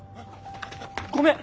ごめん！